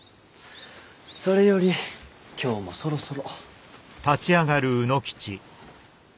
それより今日もそろそろ。